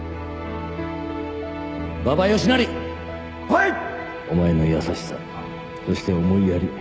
お前の優しさそして思いやり